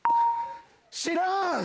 知らん。